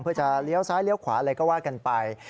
เพื่อจะเลี้ยวซ้ายเลี้ยวขวาอะไรก็ว่ากันไป